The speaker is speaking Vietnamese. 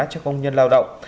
cho công nhân lao động